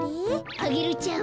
アゲルちゃん